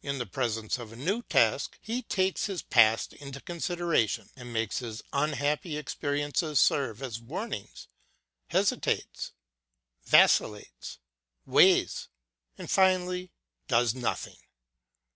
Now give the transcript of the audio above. In the presence of a new task he takes his past into consideration and makes his unhappy experiences serve as warnings, hesitates, vacillates, weighs, and finally LOOKING BACKWARD 197 docs nothing.